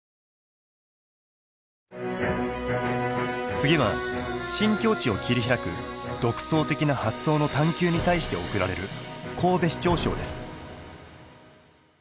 次は新境地を切り開く独創的な発想の探究に対して贈られる神戸市長賞です。